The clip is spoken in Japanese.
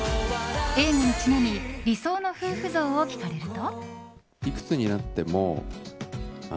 映画にちなみ理想の夫婦像を聞かれると。